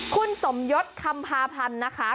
คุณสมยศคำพาพันธ์นะคะ